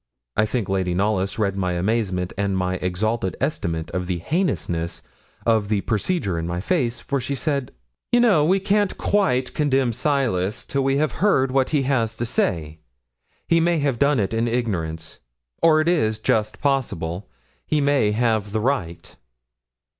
I think Lady Knollys read my amazement and my exalted estimate of the heinousness of the procedure in my face, for she said 'You know we can't quite condemn Silas till we have heard what he has to say. He may have done it in ignorance; or, it is just possible, he may have the right.'